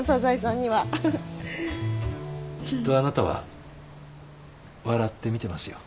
きっとあなたは笑って見てますよ。